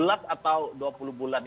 enam belas atau dua puluh bulan